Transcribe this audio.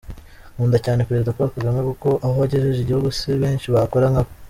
Nkunda cyane Perezida Paul Kagame, kuko aho agejeje igihugu si benshi bakora nka we.